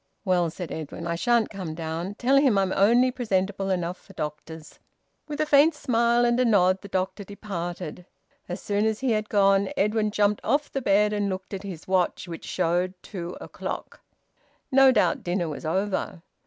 "Well," said Edwin, "I shan't come down. Tell him I'm only presentable enough for doctors." With a faint smile and a nod, the doctor departed. As soon as he had gone, Edwin jumped off the bed and looked at his watch, which showed two o'clock. No doubt dinner was over.